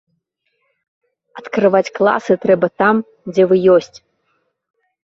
Адкрываць класы трэба там, дзе вы ёсць.